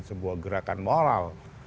sebuah gerakan moral